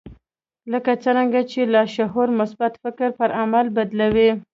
لکه څرنګه چې لاشعور مثبت فکر پر عمل بدلوي.